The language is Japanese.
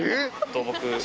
と僕。